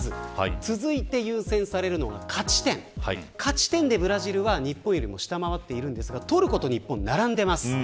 続いて優先されるのが勝ち点勝ち点でブラジルは日本よりも下回っていますがトルコと日本並んでいます。